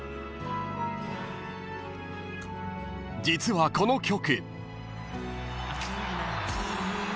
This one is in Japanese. ［実はこの曲］